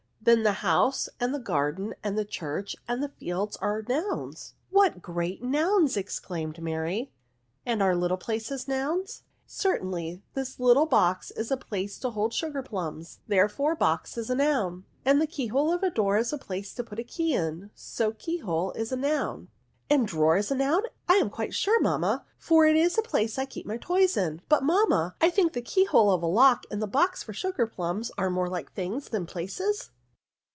Then the house^ and the garden^ and the churchy and the fields^ are nouns ? What great nouns !" exclaimed Mary ;" and are little places nouns ?"" Certainly, this little box is a place to B 3 it O NOUNS, hold sugar plums, therefore box is a noun j and the key hole of the door is a place to put the key in, so key hole is a noun." And drawer is a noun, I am quite sure, mamma ; for it is a place I keep my toys in. But, mamma, I think the key hole of the lock, and the box for sugar plums, are more like things than places